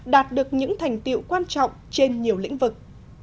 đạt được những thành tiệu quan trọng trên nhiều lĩnh vực